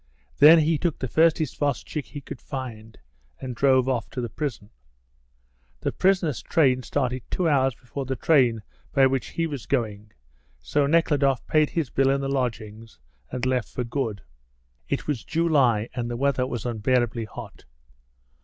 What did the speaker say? Then he took the first isvostchik he could find and drove off to the prison. The prisoners' train started two hours before the train by which he was going, so Nekhludoff paid his bill in the lodgings and left for good. It was July, and the weather was unbearably hot.